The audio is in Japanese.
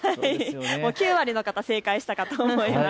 ９割の方、正解したかと思います。